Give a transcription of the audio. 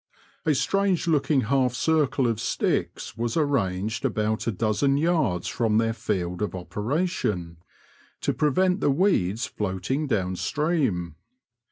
A strange lookmg half circle of sticks was arranged about a dozen yards from their field of operation, to prevent the weeds floating down stream.